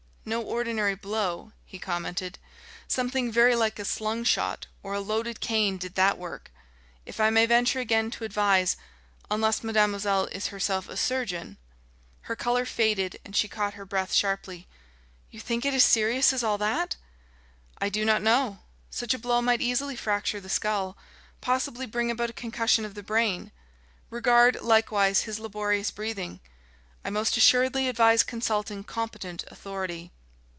"No ordinary blow," he commented; "something very like a slung shot or a loaded cane did that work. If I may venture again to advise unless mademoiselle is herself a surgeon " Her colour faded and she caught her breath sharply. "You think it as serious as all that?" "I do not know. Such a blow might easily fracture the skull, possibly bring about a concussion of the brain. Regard, likewise, his laborious breathing. I most assuredly advise consulting competent authority."